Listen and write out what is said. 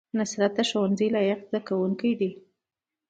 نصرت د ښوونځي لایق زده کوونکی دی